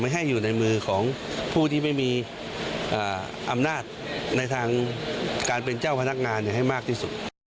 ให้อยู่ในมือของผู้ที่ไม่มีอำนาจในทางการเป็นเจ้าพนักงานให้มากที่สุด